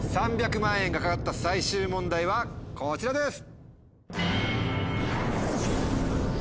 ３００万円が懸かった最終問題はこちらです。